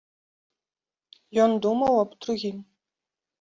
Ён думаў аб другім.